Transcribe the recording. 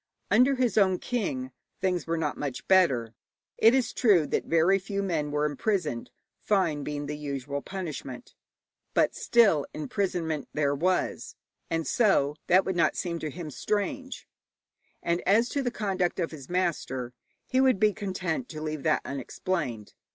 Under his own king things were not much better. It is true that very few men were imprisoned, fine being the usual punishment, but still, imprisonment there was, and so that would not seem to him strange; and as to the conduct of his master, he would be content to leave that unexplained.